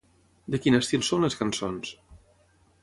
De quin estil són les cançons?